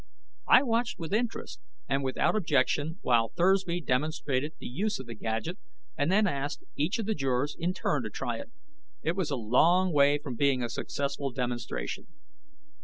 I watched with interest and without objection while Thursby demonstrated the use of the gadget and then asked each of the jurors in turn to try it. It was a long way from being a successful demonstration.